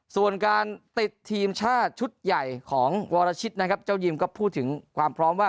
ส่วนการติดทีมชาติชุดใหญ่ของวรชิตนะครับเจ้ายิมก็พูดถึงความพร้อมว่า